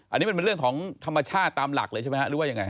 อันนี้มันเป็นเรื่องของธรรมชาติตามหลักเลยใช่ไหมฮะหรือว่ายังไง